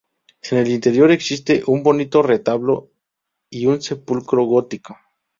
En el interior existen un bonito retablo y un sepulcro gótico.